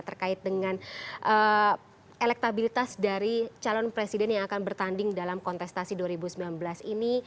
terkait dengan elektabilitas dari calon presiden yang akan bertanding dalam kontestasi dua ribu sembilan belas ini